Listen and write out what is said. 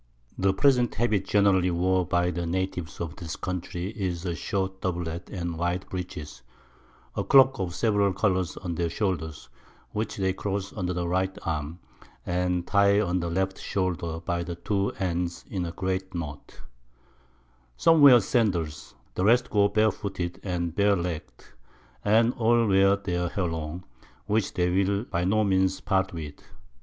The present Habit generally wore by the Natives of this Country is a short Doublet and wide Breeches, a Cloak of several Colours on their Shoulders, which they cross under the Right Arm, and tye on the Left Shoulder by the 2 Ends in a great Knot: Some wear Sandals, the rest go bare footed and bare legg'd, and all wear their Hair long, which they will by no means part with.